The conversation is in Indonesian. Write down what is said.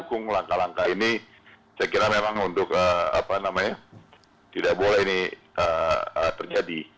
mendukung langkah langkah ini saya kira memang untuk tidak boleh ini terjadi